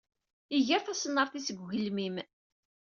Iger taṣennart-is deg ugelmim.